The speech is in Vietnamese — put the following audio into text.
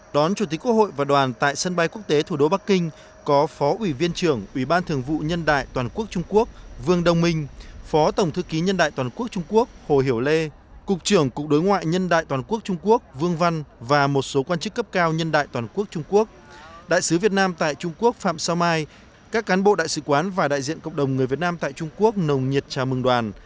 đón chủ tịch quốc hội và đoàn tại sân bay quốc tế thủ đô bắc kinh có phó ủy viên trưởng ủy ban thường vụ nhân đại toàn quốc trung quốc vương đồng minh phó tổng thư ký nhân đại toàn quốc trung quốc hồ hiểu lê cục trưởng cục đối ngoại nhân đại toàn quốc trung quốc vương văn và một số quan chức cấp cao nhân đại toàn quốc trung quốc đại sứ việt nam tại trung quốc phạm sao mai các cán bộ đại sứ quán và đại diện cộng đồng người việt nam tại trung quốc nồng nhiệt trà mừng đoàn